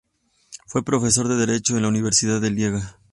Fue profesor de Derecho en la Universidad de Lieja.